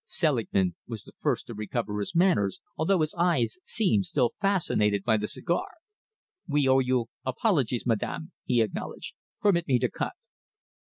Selingman was the first to recover his manners, although his eyes seemed still fascinated by the cigar. "We owe you apologies, madam," he acknowledged. "Permit me to cut."